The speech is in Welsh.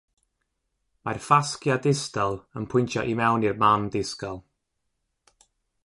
Mae'r ffasgia distal yn pwyntio i mewn i'r man disgal.